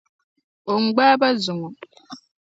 O ni gbaai ba zuŋɔ.